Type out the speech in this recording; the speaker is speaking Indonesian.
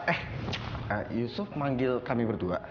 eh yusuf manggil kami berdua